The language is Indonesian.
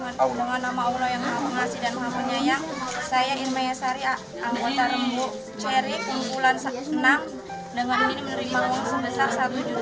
bismillahirrahmanirrahim dengan nama tuhan dengan nama allah yang mengasih dan mengamunyayang